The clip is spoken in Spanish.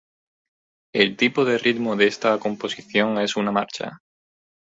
El tipo de ritmo de esta composición es una marcha.